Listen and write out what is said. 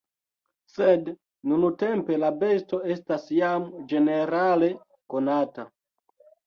Sed nuntempe la besto estas jam ĝenerale konata.